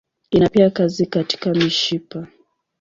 Ina pia kazi katika mishipa.